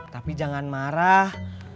tapi jangan marah